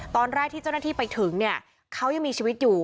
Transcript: ตอนแรกที่เจ้าหน้าที่ไปถึงเนี่ยเขายังมีชีวิตอยู่